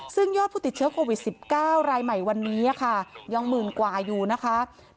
ซึ่งยอดผู้ติดเชื้อโควิด๑๙รายใหม่วันนี้ค่ะยังหมื่นกว่าอยู่นะคะ